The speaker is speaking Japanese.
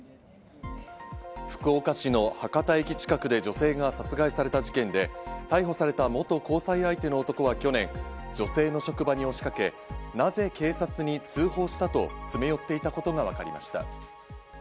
福岡市の博多駅近くで女性が殺害された事件で、逮捕された元交際相手の男は去年、女性の職場に押しかけ、なぜ警察に通報したと詰め寄っていたことがわかりました。